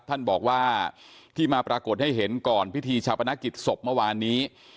ท่านบอกว่าที่มาปรากฏให้เห็นก่อนพิธีชาปนกิจศพเมื่อวานนี้